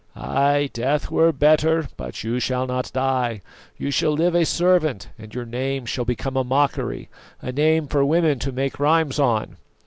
"Ay, death were better; but you shall not die, you shall live a servant, and your name shall become a mockery, a name for women to make rhymes on."